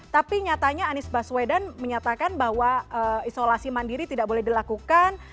tapi nyatanya anies baswedan menyatakan bahwa isolasi mandiri tidak boleh dilakukan